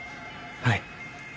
はい。